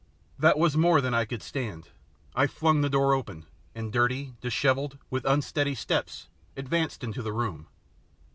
That was more than I could stand. I flung the door open, and, dirty, dishevelled, with unsteady steps, advanced into the room.